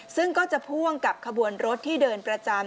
ซึ่งก็จะพ่วงกับขบวนรถที่เดินประจำ